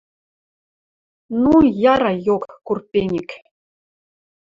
– Ну, яра йок, курпеньӹк...